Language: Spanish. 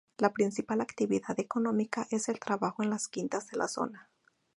La principal actividad económica es el trabajo en las quintas de la zona.